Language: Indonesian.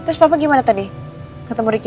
eh terus papa gimana tadi ketemu riki